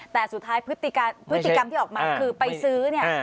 แต่สุดท้ายพฤติกรรมที่ออกมาคือไปซื้อเนี่ย